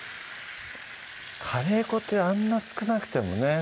カレー粉ってあんな少なくてもね